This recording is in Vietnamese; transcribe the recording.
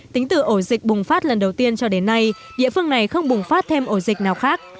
tính từ ổ dịch bùng phát lần đầu tiên cho đến nay địa phương này không bùng phát thêm ổ dịch nào khác